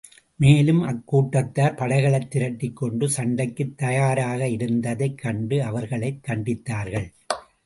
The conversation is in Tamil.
மேலும், அக்கூட்டத்தார் படைகளைத் திரட்டிக் கொண்டு சண்டைக்குத் தயாராக இருந்ததைக் கண்டு, அவர்களைக் கண்டித்தார்கள்.